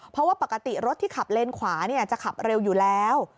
เพราะว่าปกติรถที่ขับเลนขวาจะขับเร็วอยู่แล้ว